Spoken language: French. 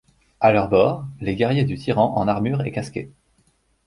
À leur bord, les guerriers du Tiran en armure et casqués.